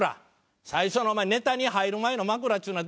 最初のお前ネタに入る前の枕っちゅうのは大事や。